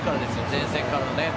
前線からの。